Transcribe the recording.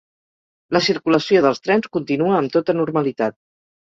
La circulació dels trens continua amb tota normalitat